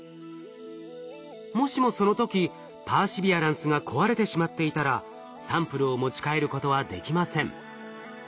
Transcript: もしもその時パーシビアランスが壊れてしまっていたらサンプルを持ち帰ることはできません。